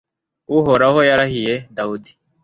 uhoraho yarahiye dawudi